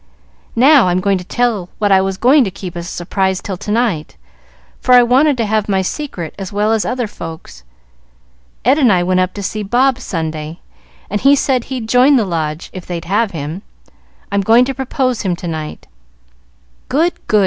Now I'll tell you what I was going to keep as a surprise till to night, for I wanted to have my secret as well as other folks. Ed and I went up to see Bob, Sunday, and he said he'd join the Lodge, if they'd have him. I'm going to propose him to night." "Good! good!"